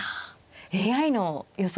ＡＩの予想